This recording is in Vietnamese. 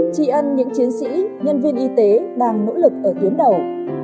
tri ân những chiến sĩ nhân viên y tế đang nỗ lực ở tuyến đầu